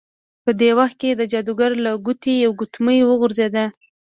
په دې وخت کې د جادوګر له ګوتې یوه ګوتمۍ وغورځیده.